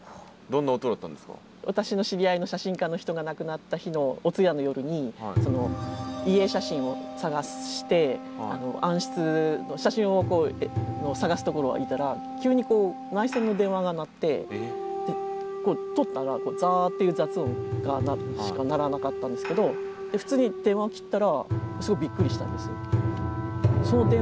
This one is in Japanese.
私の知り合いの写真家の人が亡くなった日のお通夜の夜に遺影写真を探して暗室写真を探すところにいたら急に内線の電話が鳴って取ったら「ザーッ」っていう雑音しか鳴らなかったんですけど普通に電話を切ったらすごいびっくりしたんですよ。